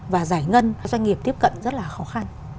và giải ngân doanh nghiệp tiếp cận rất là khó khăn